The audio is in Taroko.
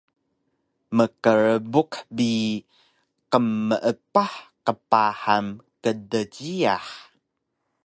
mkrbuk bi qmeepah qpahan kdjiyax